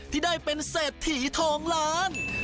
ที่ได้เป็นเศรษฐีทองล้าน